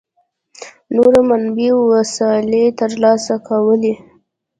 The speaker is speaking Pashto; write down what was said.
نورو منابعو وسلې ترلاسه کولې.